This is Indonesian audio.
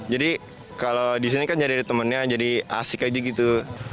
jadi kalau di sini kan jadi temannya jadi asik aja gitu